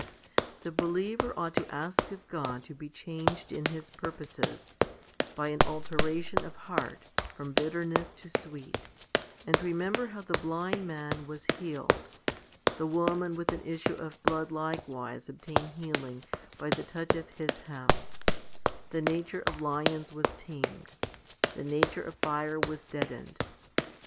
1. THE believer ought to ask of God to be changed in his purposes, by an alteration of heart from bitterness to sweet, and remember how the blind man was healed, the woman with an issue of blood likewise obtained healing by the touch of His hem, the nature of lions was tamed, the nature of fire was deadened.